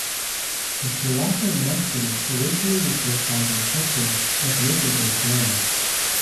The Cloaca Maxima originally was built by the Etruscans as an open-air canal.